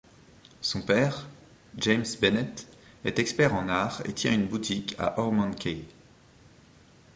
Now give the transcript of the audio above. Son père, James Bennett, est expert en art et tient boutique à Ormond Quay.